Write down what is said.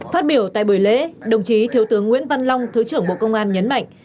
phát biểu tại buổi lễ đồng chí thiếu tướng nguyễn văn long thứ trưởng bộ công an nhấn mạnh